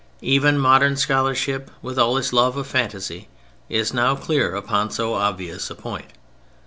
Even modern scholarship with all its love of phantasy is now clear upon so obvious a point.